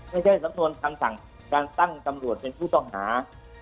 ไม่ใช่สำนวนทางการตั้งตำรวจเป็นผู้ต้องหา